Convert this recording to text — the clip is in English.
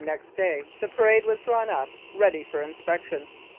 next day the parade was drawn up ready for inspection.